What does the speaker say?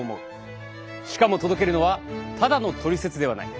しかも届けるのはただのトリセツではない。